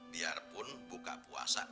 biarpun buka puasa